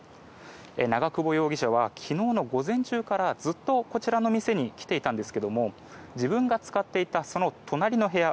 長久保容疑者は昨日の午前中からずっとこちらの店に来ていたんですが自分が使っていたその隣の部屋